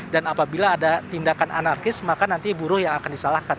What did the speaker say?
dan apabila ada tindakan anarkis maka nanti buruh yang akan disalahkan